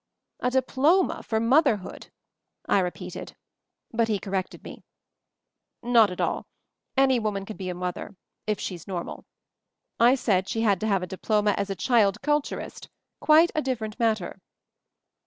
"A diploma for motherhood!" I repeated; but he corrected me. "Not at all. Any woman can be a mother — if she's normal. I said she had to have a diploma as a child culturist — quite a differ ent matter."